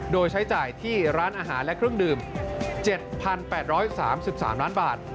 โดยใช้จ่ายที่ร้านอาหารและเครื่องดื่ม๗๘๓๓ล้านบาท